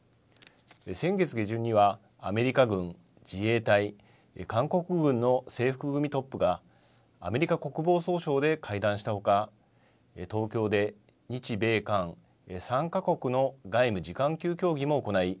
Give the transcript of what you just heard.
先月下旬にはアメリカ軍、自衛隊、韓国軍の制服組トップがアメリカ国防総省で会談したほか東京で日米韓３か国の外務次官級協議も行い